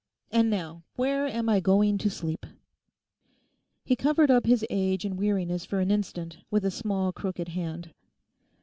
And now where am I going to sleep?' He covered up his age and weariness for an instant with a small crooked hand.